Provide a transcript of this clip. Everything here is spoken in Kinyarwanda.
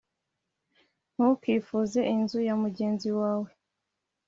Ntukifuze inzu ya mugenzi wawe.